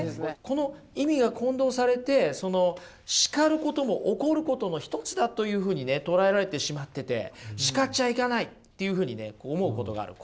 この意味が混同されてその叱ることも怒ることの１つだというふうにね捉えられてしまってて叱っちゃいけないというふうにね思うことがある。